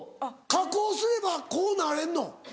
加工すればこうなれんの？